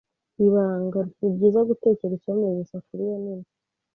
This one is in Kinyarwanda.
ibanga ni byiza gutekera isombe mu isafuriya nini